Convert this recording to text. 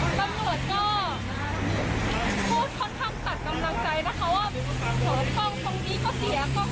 อะไรอย่างนี้เรียกถามไม่ได้อะไรไม่ได้ก็เราก็ต้องดูแลตัวเอง